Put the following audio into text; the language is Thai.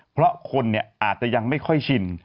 เพราะคนอาจจะยังไม่ค่อยชิน